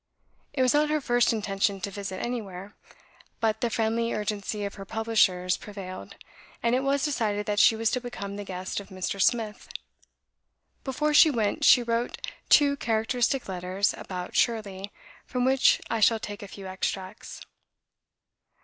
It was not her first intention to visit anywhere; but the friendly urgency of her publishers prevailed, and it was decided that she was to become the guest of Mr. Smith. Before she went, she wrote two characteristic letters about "Shirley," from which I shall take a few extracts.